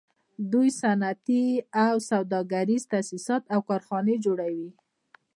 دوی صنعتي او سوداګریز تاسیسات او کارخانې جوړوي